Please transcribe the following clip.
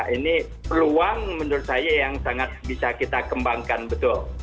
ini peluang menurut saya yang sangat bisa kita kembangkan betul